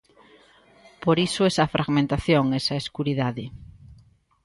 Por iso esa fragmentación, esa escuridade.